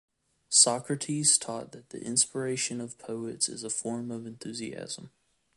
Socrates taught that the inspiration of poets is a form of enthusiasm.